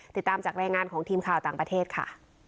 ติดตามจากรายงานของทีมข่าวต่างประเทศค่ะ